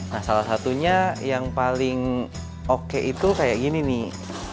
nah salah satunya yang paling oke itu kayak gini nih